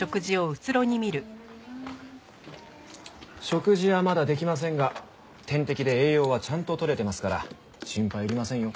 食事はまだできませんが点滴で栄養はちゃんと取れてますから心配いりませんよ。